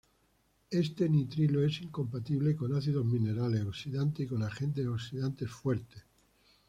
Este nitrilo es incompatible con ácidos minerales oxidantes y con agentes oxidantes fuertes.